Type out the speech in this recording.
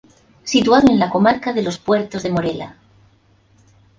Situado en la comarca de los Puertos de Morella.